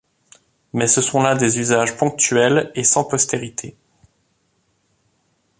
Mais ce sont là des usages ponctuels et sans postérité.